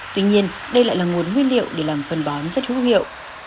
tuy nhiên đây lại là nguồn nguyên liệu để làm phân bón rất hữu hiệu